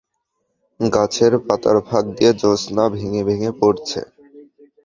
গাছের পাতার ফাঁক দিয়ে জ্যোৎস্না ভেঙে-ভেঙে পড়ছে।